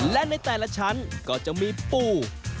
และในแต่ละชั้นก็จะมีปู